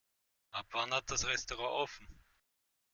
Ab wann hat das Restaurant offen?